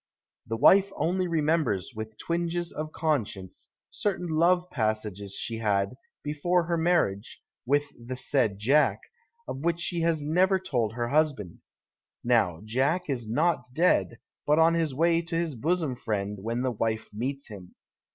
The wife only remembers, with twinges of conscience, certain love passages she had, before her marriage, with the said Jack, of which she has never told her husband. Now Jack is not dead, but on his way to his bosom friend, when the wife meets him.